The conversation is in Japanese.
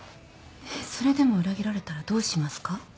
えっそれでも裏切られたらどうしますか？